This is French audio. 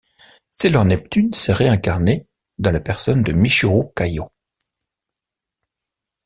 Sailor Neptune s’est réincarnée dans la personne de Michiru Kaiō.